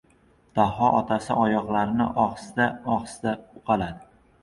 Daho, otasi oyoqlarini ohista-ohista uqaladi.